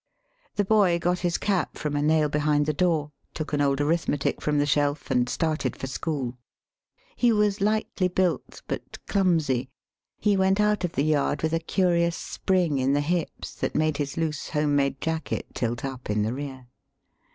The boy got his cap from a nail behind the door, took an old arithmetic from the shelf, and started for school. [He was lightly built, but clumsy. He went out of the yard with a curious spring in the hips that made his loose home made jacket tilt up in the rear.